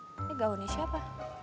eh eh ini gaunnya siapa